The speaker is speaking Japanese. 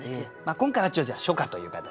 今回は初夏という形で。